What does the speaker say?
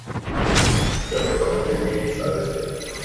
اس کا سبب مشترقین کی سازش نہیں